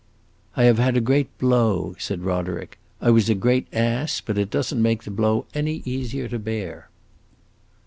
"I have had a great blow," said Roderick. "I was a great ass, but it does n't make the blow any easier to bear."